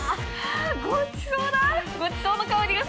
ごちそうだ！